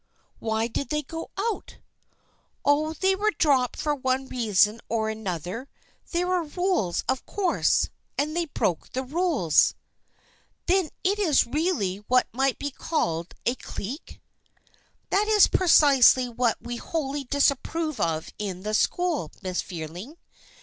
" Why did they go out ?"" Oh, they were dropped for one reason or an other. There are rules, of course, and they broke the rules." THE FRIENDSHIP OF ANNE 269 " Then it is really what might be called a clique f That is precisely what we wholly disapprove of in the school, Miss Fearing.